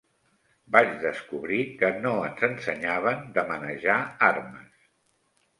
Vaig descobrir que no ens ensenyaven de manejar armes.